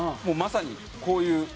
もうまさにこういう。